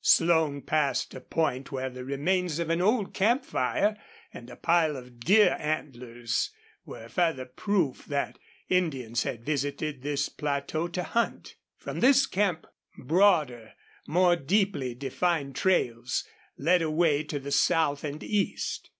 Slone passed a point where the remains of an old camp fire and a pile of deer antlers were further proof that Indians visited this plateau to hunt. From this camp broader, more deeply defined trails led away to the south and east.